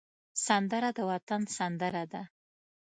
سندره د وطن سندره ده